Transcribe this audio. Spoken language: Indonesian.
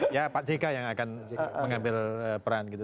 ya pak jk yang akan mengambil peran gitu